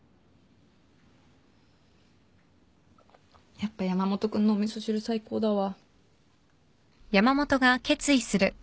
やっぱ山本君のお味噌汁最高だわ。